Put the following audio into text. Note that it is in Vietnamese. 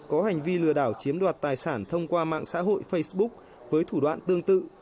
có hành vi lừa đảo chiếm đoạt tài sản thông qua mạng xã hội facebook với thủ đoạn tương tự